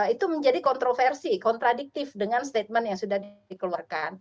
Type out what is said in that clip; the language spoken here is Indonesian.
itu menjadi kontroversi kontradiktif dengan statement yang sudah dikeluarkan